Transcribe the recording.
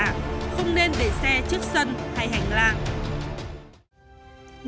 không nên để xe trước sân hay hành lạc